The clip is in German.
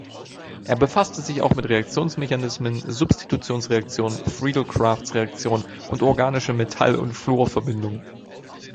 Er befasste sich auch mit Reaktionsmechanismen, Substitutionsreaktionen, Friedel-Crafts-Reaktionen und organische-Metall- und Fluor-Verbindungen.